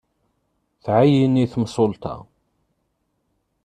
Tɛeyyen i temsulta.